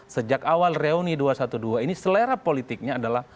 sejak awal reuni dua ratus dua belas ini selera politiknya adalah